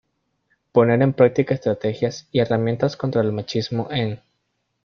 poner en práctica estrategias y herramientas contra el machismo en